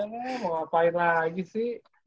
gini aja mau ngapain lagi sih